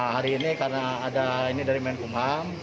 hari ini karena ada ini dari menkumham